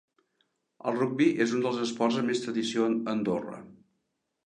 El rugbi és un dels esports amb més tradició a Andorra.